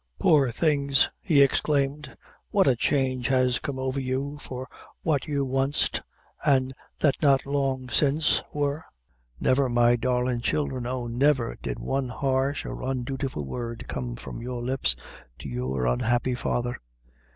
"Poor things!" he exclaimed; "what a change has come over you, for what you wanst, an' that not long since, wor. Never, my darlin' childhre oh, never did one harsh or undutiful word come from your lips to your unhappy father.